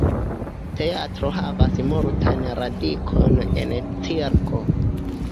Teatro havas multajn radikojn en cirko.